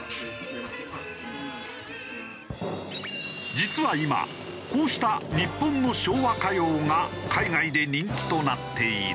実は今こうした日本の昭和歌謡が海外で人気となっている。